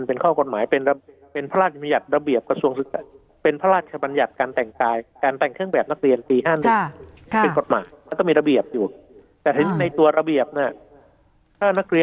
เป็นข้อกฎหมายเป็นพระราชปัญหยัดระเบียบตันปี๑๙๕๐